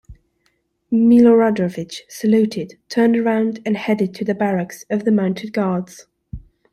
Miloradovich saluted, turned around, and headed to the barracks of the Mounted Guards.